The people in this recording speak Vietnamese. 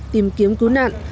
tìm kiếm cứu nạn